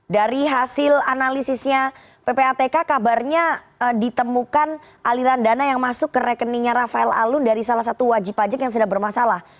dari hasil analisisnya ppatk kabarnya ditemukan aliran dana yang masuk ke rekeningnya rafael alun dari salah satu wajib pajak yang sedang bermasalah